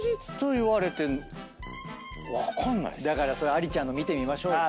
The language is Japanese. ありちゃんの見てみましょうよ。